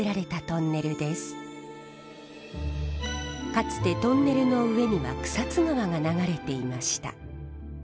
かつてトンネルの上には草津川が流れていました。